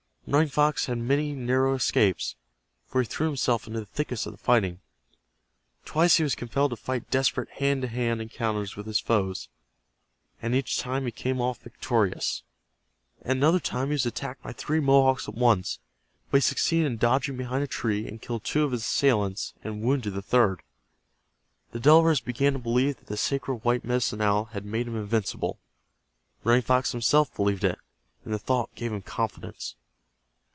Running Fox had many narrow escapes, for he threw himself into the thickest of the fighting. Twice he was compelled to fight desperate hand to hand encounters with his foes, and each time he came off victorious. At another time he was attacked by three Mohawks at once, but he succeeded in dodging behind a tree and killed two of his assailants, and wounded the third. The Delawares began to believe that the sacred white Medicine Owl had made him invincible. Running Fox himself believed it, and the thought gave him confidence.